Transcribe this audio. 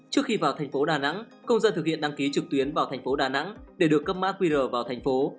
trước khi vào thành phố đà nẵng công dân thực hiện đăng ký trực tuyến vào thành phố đà nẵng để được cấp mã qr vào thành phố